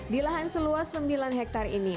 di lahan seluas sembilan hektare ini